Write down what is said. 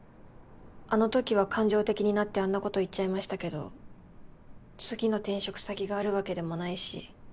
あの時は感情的になってあんなこと言っちゃいましたけど次の転職先があるわけでもないし。